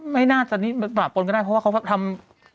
ไม่น่าจะต่างจังหวัดก็ได้เพราะว่าเขาทำ